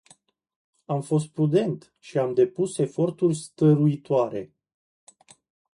Am fost prudent și am depus eforturi stăruitoare.